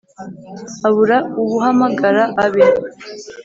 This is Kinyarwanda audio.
Abura ubuhamagara abe